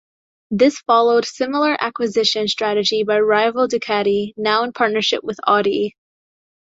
This followed similar acquisition strategy by rival Ducati, now in partnership with Audi.